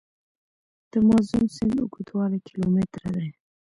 د مازون سیند اوږدوالی کیلومتره دی.